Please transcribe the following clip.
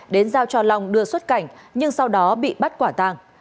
đến giao cho long đưa xuất cảnh nhưng sau đó bị bắt quả tàng